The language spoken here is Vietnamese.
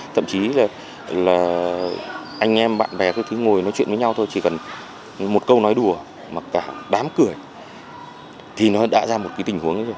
thậm chí là anh em bạn bè cứ ngồi nói chuyện với nhau thôi chỉ cần một câu nói đùa mà cả đám cười thì nó đã ra một cái tình huống